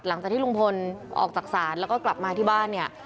หลังจากที่ลุงพลออกจากศาลแล้วก็กลับมาที่บ้านเนี่ย